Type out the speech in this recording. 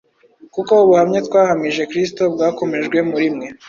kuko ubuhamya twahamije Kristo bwakomejwe muri mwe,